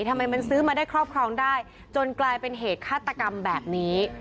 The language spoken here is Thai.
ทำไมมันซื้อมาได้ครอบครองได้จนกลายเป็นเหตุฆาตกรรมแบบนี้